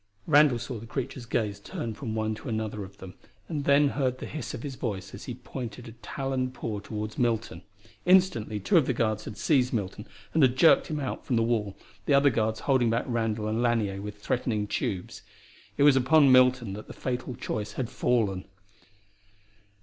Randall saw the creature's gaze turn from one to another of them, and then heard the hiss of his voice as he pointed a taloned paw toward Milton. Instantly two of the guards had seized Milton and had jerked him out from the wall, the other guards holding back Randall and Lanier with threatening tubes. It was upon Milton that the fatal choice had fallen!